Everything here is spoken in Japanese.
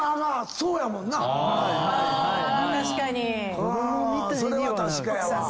それは確かやわ。